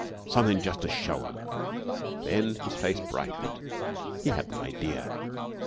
"Somethin' jus' to show 'em." Then his face brightened. He had an idea.